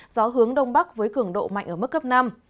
gió hướng đông bắc với cường độ mạnh ở mức cấp năm